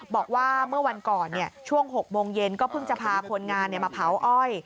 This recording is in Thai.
บอกว่าเมื่อวันก่อนช่วง๖โมงเย็นก็เพิ่งจะพาคนงานมาเผาอ้อย